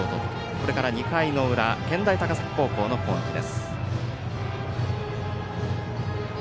これから２回の裏健大高崎の攻撃です。